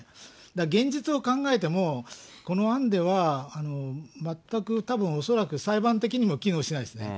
だから現実を考えても、この案では全く、たぶん恐らく、裁判的にも機能しないですね。